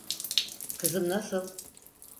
Kızım nasıl?